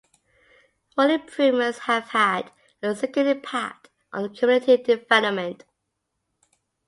Road improvements have had a significant impact on community development.